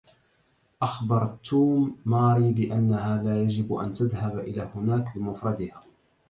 أخبر توم ماري بأنها لا يجب أن تذهب إلى هناك بمفردها.